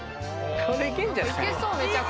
これいけんじゃない？